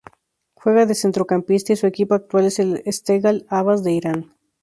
Juega de centrocampista y su equipo actual es el Esteghlal Ahvaz de Irán.